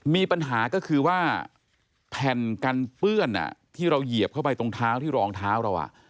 มีปัญหาก็คือว่าแผ่นกันเปื้อนที่เราเหยียบเข้าไปตรงเท้าที่รองเท้าเรา